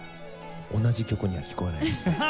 同じ曲には聴こえないですね。